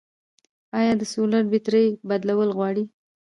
آیا د سولر بیترۍ بدلول غواړي؟